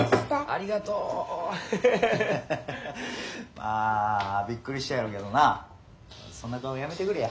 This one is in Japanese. まあびっくりしたやろうけどなそんな顔やめてくれや。